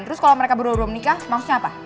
terus kalau mereka berdua belum menikah maksudnya apa